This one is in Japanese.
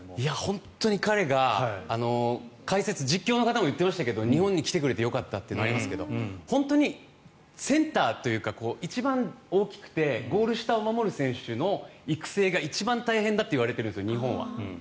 本当に彼が実況の方も言ってましたけど日本に来てくれてよかったとありますが本当にセンターというか一番大きくてゴール下を守る選手の育成が一番大変だといわれてるんです日本は。